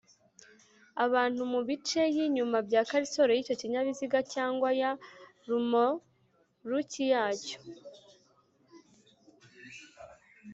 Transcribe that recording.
Abantu mu bice y inyuma bya karisoro y icyo kinyabiziga cyangwa ya romoruki yacyo